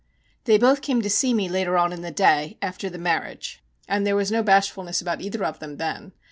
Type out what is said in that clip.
They both came to see me later on in the day after the marriage, and there was no bashfulness about either of them then.